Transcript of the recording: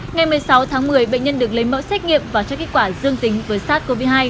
ngày một mươi sáu tháng một mươi bệnh nhân được lấy mẫu xét nghiệm và cho kết quả dương tính với sars cov hai